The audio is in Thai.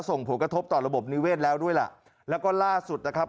ส่งผลกระทบต่อระบบนิเวศแล้วด้วยล่ะแล้วก็ล่าสุดนะครับ